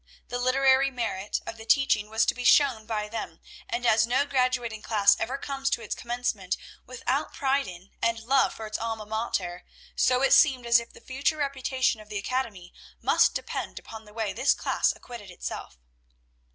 The literary merit of the teaching was to be shown by them; and as no graduating class ever comes to its commencement without pride in, and love for its alma mater, so it seemed as if the future reputation of the academy must depend upon the way this class acquitted itself.